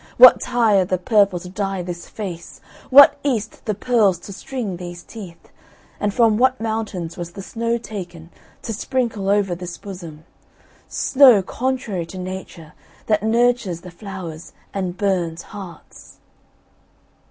What Tyre the purple to dye this face? What East the pearls to string these teeth? And from what mountains was the snow taken to sprinkle over this bosom snow contrary to nature, that nurtures the flowers and burns hearts?"